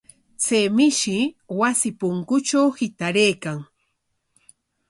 Chay mishi wasi punkutraw hitaraykan.